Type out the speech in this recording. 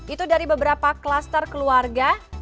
itu dari beberapa klaster keluarga